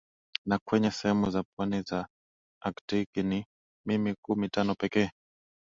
na kwenye sehemu za pwani za Aktiki ni mm kumi tano pekee